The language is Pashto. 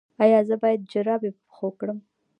ایا زه باید جرابې په پښو کړم؟